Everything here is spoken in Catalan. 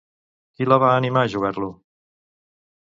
Qui la va animar a jugar-lo?